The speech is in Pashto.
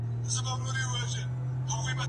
کتابتون ته راشه؟!